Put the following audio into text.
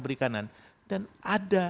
perikanan dan ada